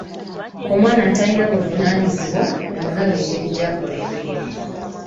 Omwana atalina buvunaanyizibwa omulaba engeri gyakola emirimu.